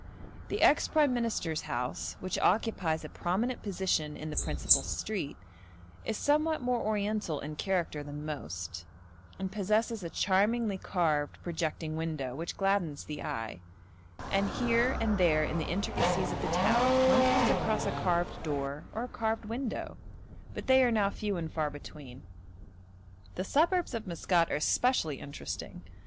The ex prime minister's house, which occupies a prominent position in the principal street, is somewhat more Oriental in character than most, and possesses a charmingly carved, projecting window, which gladdens the eye; and here and there in the intricacies of the town one comes across a carved door or a carved window, but they are now few and far between. The suburbs of Maskat are especially interesting.